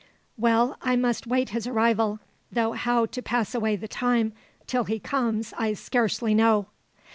"Well, I must wait his arrival; though how to pass away the time till he comes I scarcely know."